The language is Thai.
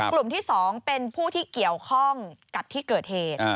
กลุ่มที่๒เป็นผู้ที่เกี่ยวข้องกับที่เกิดเหตุ